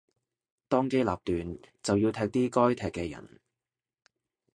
當機立斷就要踢啲該踢嘅人